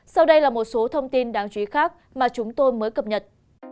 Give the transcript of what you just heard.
sau đây là một số thông tin đáng chú ý khác mà chúng tôi mới cập nhật